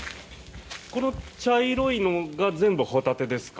この茶色いのが全部ホタテですか？